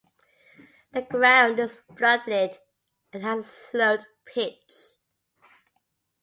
The ground is floodlit and has a sloped pitch.